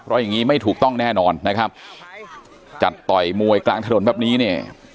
เพราะอย่างงี้ไม่ถูกต้องแน่นอนนะครับจัดต่อยมวยกลางถนนแบบนี้เนี่ย